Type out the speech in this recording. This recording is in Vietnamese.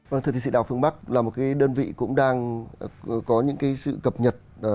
thượng thị sĩ đào phương bắc là một đơn vị cũng đang có những sự cập nhật